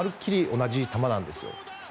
同じ球なんですよ。